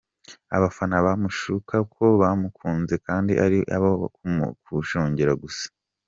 Abafana bamushuka ko bamukunze kandi ari abo kumushungera gusa.